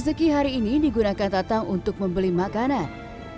rezeki hari ini digunakan tatang untuk membeli makanan